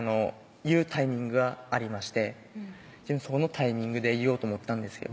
言うタイミングがありましてそのタイミングで言おうと思ったんですよ